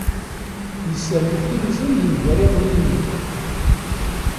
Yesserwet timẓin yemger iḍelli-nni.